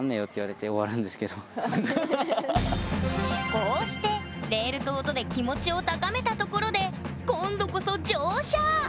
こうしてレールと音で気持ちを高めたところで今度こそ乗車！